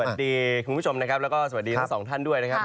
คุณผู้ชมนะครับแล้วก็สวัสดีทั้งสองท่านด้วยนะครับ